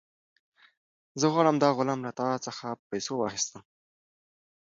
زه غواړم دا غلام له تا څخه په پیسو واخیستم.